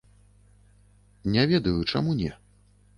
Не ведаю, чаму не?